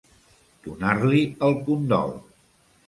Donar-li el condol.